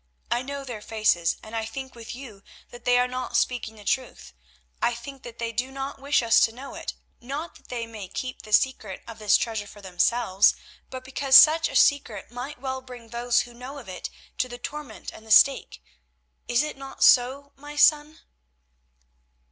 I know their faces, and I think with you that they are not speaking the truth. I think that they do not wish us to know it—not that they may keep the secret of this treasure for themselves, but because such a secret might well bring those who know of it to the torment and the stake. Is it not so, my son?"